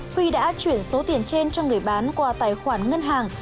huy đã chuyển số tiền trên cho người bán qua tài khoản ngân hàng